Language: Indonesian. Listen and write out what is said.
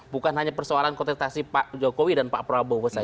bukan hanya persoalan kontestasi pak jokowi dan pak prabowo